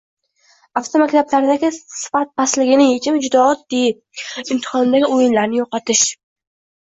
Avtomaktablardagi sifat pastligini yechimi juda oddiy. Imtihondagi "o‘yinlar"ni yo‘qotish.